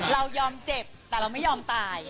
เรายอมเจ็บแต่เราไม่ยอมตาย